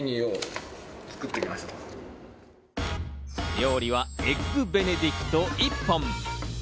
料理はエッグベネディクト１本。